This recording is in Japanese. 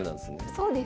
そうですね。